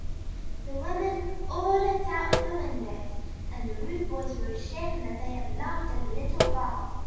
The women all looked out of the windows, and the rude boys w^ere ashamed that they had laughed at the Little Girl.